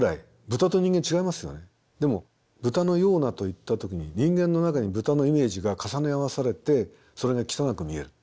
でも豚のようなと言った時に人間の中に豚のイメージが重ね合わされてそれが汚く見える。